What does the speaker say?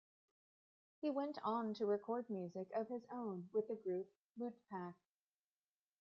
He went on to record music of his own with the group Lootpack.